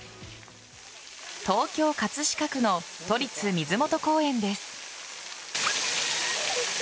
東京・葛飾区の都立水元公園です。